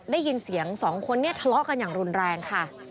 ได้ยินเสียงสองคนนี้ทะเลาะกันอย่างรุนแรงค่ะ